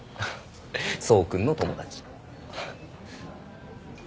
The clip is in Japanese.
想君の友達。